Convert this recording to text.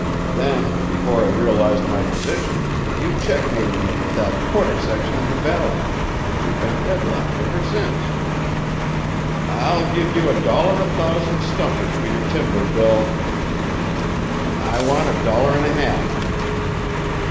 "Then, before I realized my position, you checkmated me with that quarter section in the valley, and we've been deadlocked ever since." "I'll give you a dollar a thousand stumpage for your timber, Bill." "I want a dollar and a half."